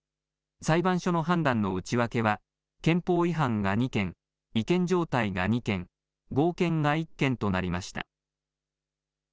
裁判所の判断の内訳は憲法違反が２件違憲状態が２件合憲が１件となりました。